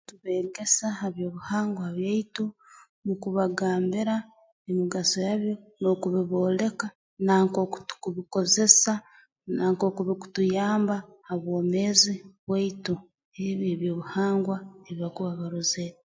Tubeegesa ha by'obuhangwa byaitu mu kubagambira emigaso yabyo n'okubibooleka na nk'oku tukubikozesa na nk'oku bikutunyamba ha bwomeezi bwaitu ebi eby'obuhangwa ebi bakuba barozere